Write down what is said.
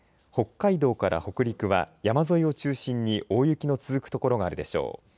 北海道から北陸は山沿いを中心に大雪の続く所があるでしょう。